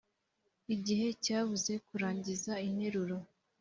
igihe cyabuze kurangiza interuro.